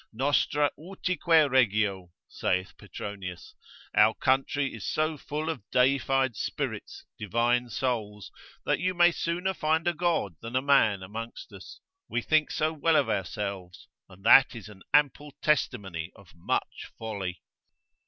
Nostra utique regio, saith Petronius, our country is so full of deified spirits, divine souls, that you may sooner find a God than a man amongst us, we think so well of ourselves, and that is an ample testimony of much folly.